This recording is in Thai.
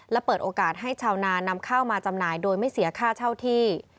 และเปิดโอกาสให้ชาวนานำข้าวมาจำหน่ายโดยไม่เสียค่าเช่าที่